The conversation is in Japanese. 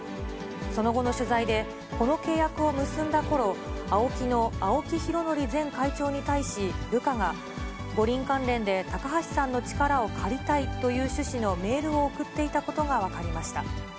その後の取材で、この契約を結んだころ、ＡＯＫＩの青木拡憲前会長に対し、部下が、五輪関連で高橋さんの力を借りたいという趣旨のメールを送っていたことが分かりました。